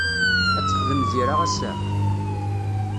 Ad texdem Zira ass-a?